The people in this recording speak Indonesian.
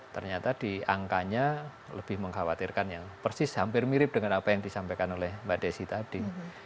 ternyata di angkanya lebih mengkhawatirkan yang persis hampir mirip dengan apa yang disampaikan oleh mbak desi tadi